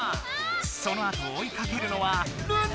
そのあとをおいかけるのはルナ！